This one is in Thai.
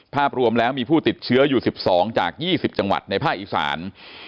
ภาพรวมแล้วมีผู้ติดเชื้ออยู่๑๒จาก๒๐จังหวัดในภาคอีสาน